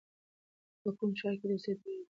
ته په کوم ښار کې د اوسېدو اراده لرې؟